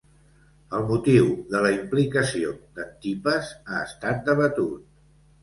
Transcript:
El motiu de la implicació d'Antipes ha estat debatut.